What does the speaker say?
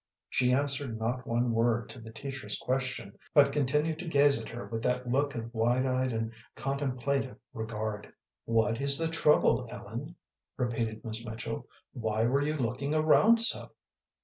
She answered not one word to the teacher's question, but continued to gaze at her with that look of wide eyed and contemplative regard. "What is the trouble, Ellen?" repeated Miss Mitchell. "Why were you looking around so?"